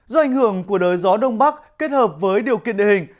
do ảnh hưởng của đới gió đông bắc kết hợp với điều kiện địa hình